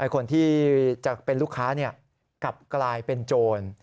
คนที่จะเป็นลูกค้ากลับกลายเป็นโจร